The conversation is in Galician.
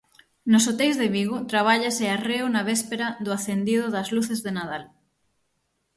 Nos hoteis de Vigo trabállase arreo na véspera do acendido das luces de Nadal.